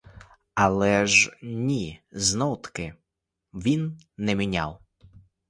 Але ж ні, знов-таки — він не міняв.